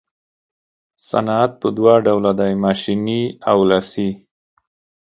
صنعت په دوه ډوله دی ماشیني او لاسي.